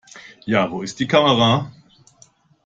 Ja, wo ist die Kamera?